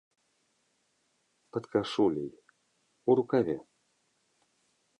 Пад кашуляй, у рукаве.